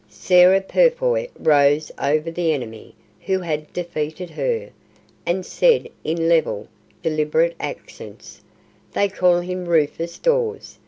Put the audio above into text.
Sarah Purfoy rose over the enemy who had defeated her, and said in level, deliberate accents, "They call him Rufus Dawes.